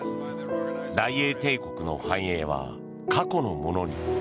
大英帝国の繁栄は過去のものに。